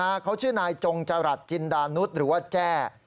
เขาชื่อนายจงจรัสจินดานุษย์หรือว่าแจ้